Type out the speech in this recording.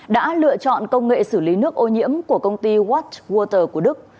đã lựa chọn công nghệ xử lý nước ô nhiễm của công ty watchwater của đức